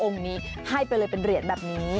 นี้ให้ไปเลยเป็นเหรียญแบบนี้